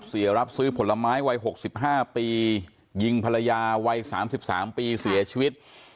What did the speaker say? เสียรับซื้อผลไม้วัยหกสิบห้าปียิงภรรยาวัยสามสิบสามปีเสียชีวิต